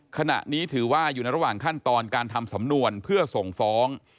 ขณะนี้ถือว่าอยู่ในระหว่างขั้นตอนการทำสำนวนเพื่อส่งฟ้อง